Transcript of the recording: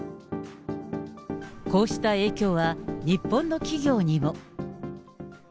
こうした影響は、日本の企業にも。